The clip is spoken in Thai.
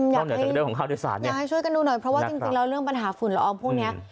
อยากให้ช่วยกันดูหน่อยเพราะว่าจริงแล้วเรื่องปัญหาฝุ่นรออมพวกนี้